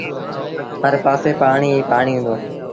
هر پآسي پآڻيٚ ئيٚ پآڻيٚ هُݩدو۔